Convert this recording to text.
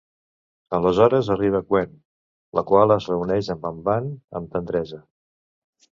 Aleshores arriba Gwen, la qual es reuneix amb en Van amb tendresa.